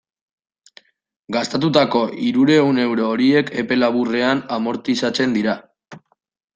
Gastatutako hirurehun euro horiek epe laburrean amortizatzen dira.